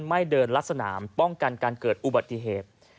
ไม่เดินลัดสนามป้องกันการเกิดอุบัติเหตุ